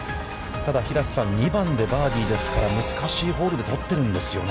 ただ、平瀬さん、２番でバーディーですから、難しいホールで取っているんですよね。